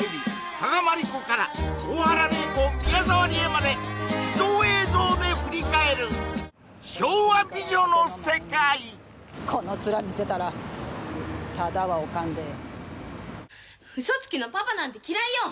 加賀まりこから大原麗子宮沢りえまで秘蔵映像で振り返る昭和美女の世界このツラ見せたらただはおかんでウソつきのパパなんて嫌いよ